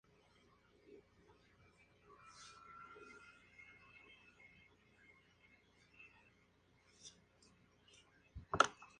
Fue una de las precursoras de la enfermería psiquiátrica.